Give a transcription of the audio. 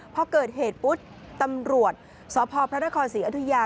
พอเกิดเหตุปุ๊บตำรวจสพพระนครศรีอยุธยา